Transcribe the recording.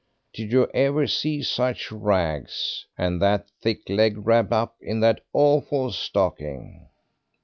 Did you ever see such rags? and that thick leg wrapped up in that awful stocking."